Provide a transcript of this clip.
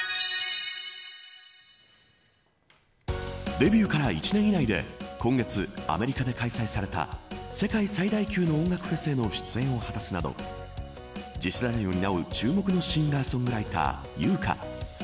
デビューから１年以内で今月、アメリカで開催された世界最大級の音楽フェスへの出演を果たすなど次世代を担う注目のシンガー・ソングライター由